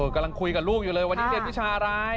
กำลังคุยกับลูกอยู่เลยวันนี้เรียนวิชาอะไร